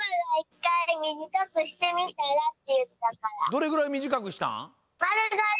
どれぐらいみじかくしたん？